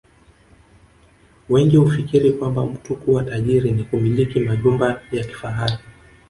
Wengi hufikiri kwamba mtu kuwa tajiri ni kumiliki majumba ya kifahari